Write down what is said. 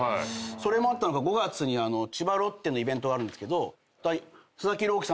それもあったのか５月に千葉ロッテのイベントがあるんですけど。